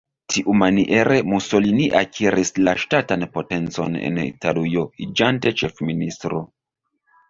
Tiumaniere Mussolini akiris la ŝtatan potencon en Italujo iĝante ĉefministro.